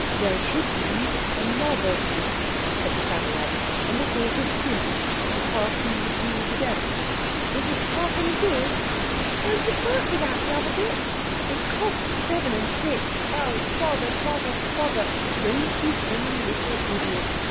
"There should be another piece," said the Psammead, "and a sort of pin to fasten the two together." "Isn't half any good?"—"Won't it work without the other bit?"—"It cost seven and six."—"Oh, bother, bother, bother!"—"Don't be silly little idiots!"